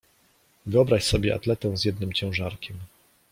"Wyobraź sobie atletę z jednym ciężarkiem."